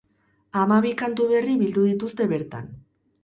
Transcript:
Hamabi kantu berri bildu dituzte bertan.